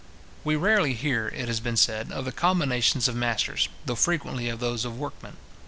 We rarely hear, it has been said, of the combinations of masters, though frequently of those of workmen.